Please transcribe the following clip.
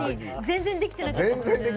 全然できてなかった。